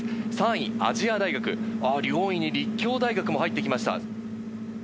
３位亜細亜大学、４位に立教大学も入ってきました。